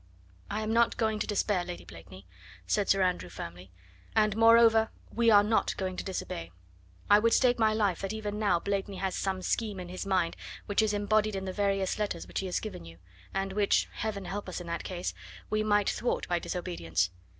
"I am not going to despair, Lady Blakeney," said Sir Andrew firmly; "and, moreover, we are not going to disobey. I would stake my life that even now Blakeney has some scheme in his mind which is embodied in the various letters which he has given you, and which Heaven help us in that case! we might thwart by disobedience.